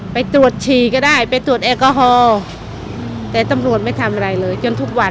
ไปตรวจฉี่ก็ได้ไปตรวจแอลกอฮอล์แต่ตำรวจไม่ทำอะไรเลยจนทุกวัน